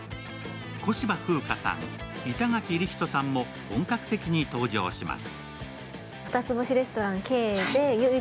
小芝風花さん、板垣李光人さんも本格的に登場します。